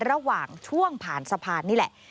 ระหว่างช่วงผ่านสะพานนี่แหละ